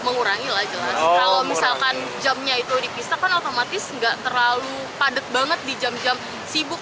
mengurangi lah jelas kalau misalkan jamnya itu dipisah kan otomatis nggak terlalu padat banget di jam jam sibuk